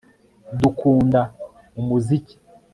Dukunda umuziki